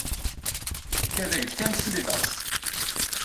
Ikad-ak-d kan tesliḍ-as.